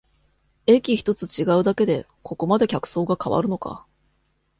駅ひとつ違うだけでここまで客層が変わるのか